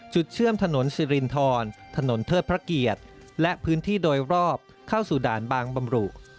เชื่อมถนนสิรินทรถนนเทิดพระเกียรติและพื้นที่โดยรอบเข้าสู่ด่านบางบำรุ